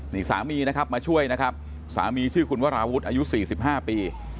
นี่สามีนะครับมาช่วยนะครับสามีชื่อคุณวราวุฒิอายุ๔๕ปี